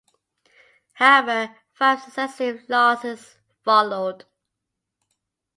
However, five successive losses followed.